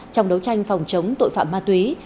trong đấu tranh phòng chống tội phạm ma túy